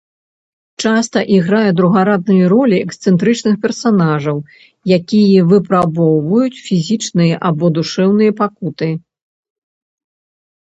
Часта іграе другарадныя ролі эксцэнтрычных персанажаў, якія выпрабоўваюць фізічныя або душэўныя пакуты.